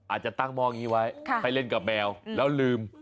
อาจจะตั้งหม้องี้ไว้ไปเล่นกับแมวแล้วลืม